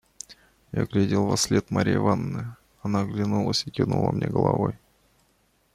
Я глядел вослед Марьи Ивановны; она оглянулась и кивнула мне головой.